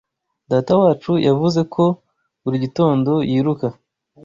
Datawacu yavuze ko buri gitondo yiruka.